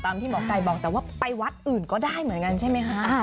ที่หมอไก่บอกแต่ว่าไปวัดอื่นก็ได้เหมือนกันใช่ไหมคะ